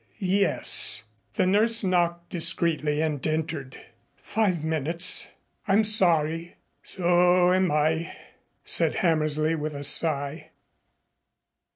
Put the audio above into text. "Yes." The nurse knocked discreetly and entered. "Five minutes. I'm sorry." "So am I," said Hammersley, with a sigh.